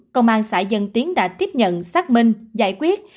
công an xã dân tiến đã tiếp nhận xác minh giải quyết